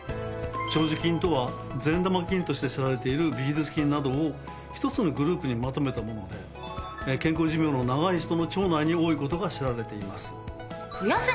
長寿菌とは善玉菌として知られているビフィズス菌などを一つのグループにまとめたもので健康寿命の長い人の腸内に多い事が知られています。